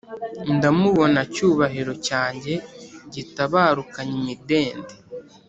ndamubona cyubahiro cyanjye gitabarukanye imidende